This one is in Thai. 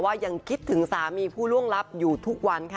ยังคิดถึงสามีผู้ล่วงลับอยู่ทุกวันค่ะ